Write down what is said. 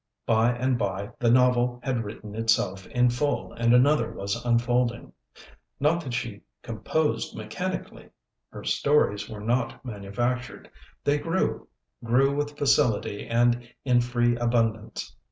By and by the novel had written itself in full, and another was unfolding. Not that she composed mechanically; her stories were not manufactured; they grew grew with facility and in free abundance.